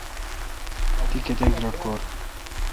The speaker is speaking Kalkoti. تی کتیک لٹکور؟